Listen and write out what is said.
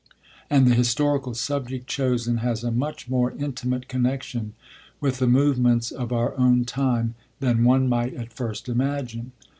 and the historical subject chosen has a much more intimate connexion with the movements of our own time than one might at first imagine.'